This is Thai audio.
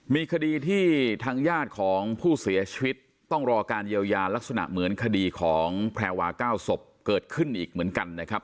มีคดีที่ทางญาติของผู้เสียชีวิตต้องรอการเยียวยาลักษณะเหมือนคดีของแพรวา๙ศพเกิดขึ้นอีกเหมือนกันนะครับ